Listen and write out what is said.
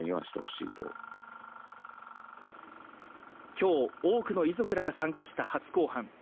今日、多くの遺族らが参加した初公判。